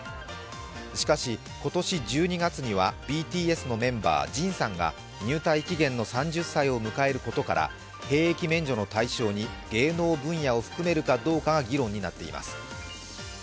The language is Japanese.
しかし今年１２月にはＢＴＳのメンバーＪＩＮさんが入隊期限の３０歳を迎えることから兵役免除の対象に芸能分野を含めるかどうかが議論になっています。